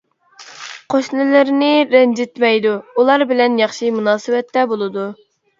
قوشنىلىرىنى رەنجىتمەيدۇ، ئۇلار بىلەن ياخشى مۇناسىۋەتتە بولىدۇ.